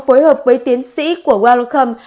phối hợp với tiến sĩ của wellcome